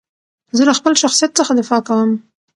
زه له خپل شخصیت څخه دفاع کوم.